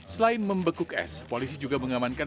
selain membekuk s polisi juga mengamankan